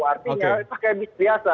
artinya pakai bis biasa